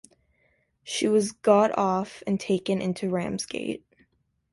She was got off and taken into Ramsgate.